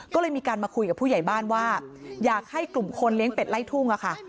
ก็เลยมีการมาคุยกับผู้ใหญ่บ้านว่าอยากให้กลุ่มคนเลี้ยงเป็ดไล่ทุ่งอะค่ะ